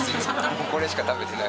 これしか食べてない。